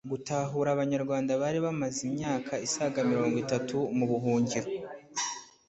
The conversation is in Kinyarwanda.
gutahura abanyarwanda bari bamaze imyaka isaga mirongo itatu mu buhungiro,